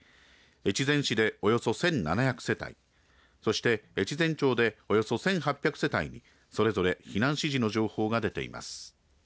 越前市でおよそ１７００世帯そして越前町で、およそ１８００世帯にそれぞれ避難指示の情報が出ています。